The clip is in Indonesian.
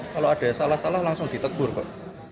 kalau ada yang salah salah langsung ditegur kok